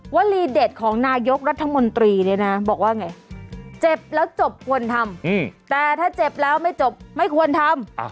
วลีเด็ดของนายกรัฐมนตรีเนี่ยนะบอกว่าไงเจ็บแล้วจบควรทำแต่ถ้าเจ็บแล้วไม่จบไม่ควรทำ